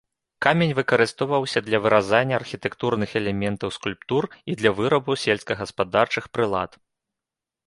Камень выкарыстоўваўся для выразання архітэктурных элементаў скульптур і для вырабу сельскагаспадарчых прылад.